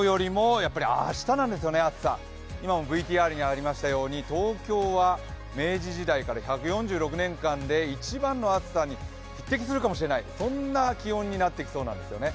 今もＶＴＲにありましたように東京では明治時代からの１４６年間で一番の暑さに匹敵するかもしれない、そんな気温になっていきそうなんです。